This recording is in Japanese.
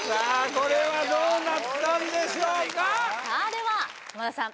これはどうなったんでしょうかさあでは浜田さん